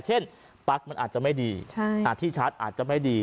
เช่นปั๊กมันอาจจะไม่ดีที่ชาร์จอาจจะไม่ดี